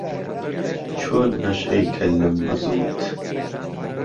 چۆن نهشئهی کهللەم بزووت